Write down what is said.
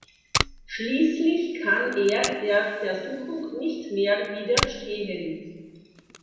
Schließlich kann er der Versuchung nicht mehr widerstehen.